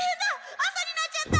朝になっちゃった！